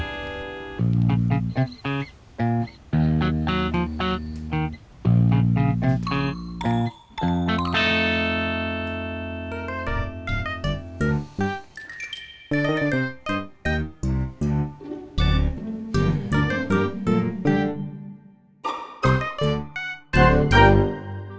lagi mama malah tambah pusing